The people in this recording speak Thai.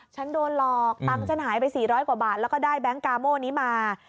ฉันโดนหลอกตังค์ฉันหายไป๔๐๐กว่าบาทแล้วก็ได้แบงค์กาโม่นี้มา